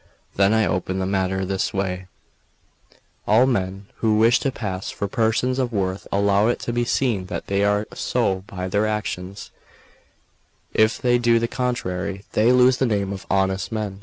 Then I opened the matter in this way: "All men who wish to pass for persons of worth allow it to be seen that they are so by their actions; if they do the contrary, they lose the name of honest men.